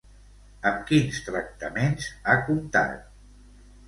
Amb quins tractaments ha comptat?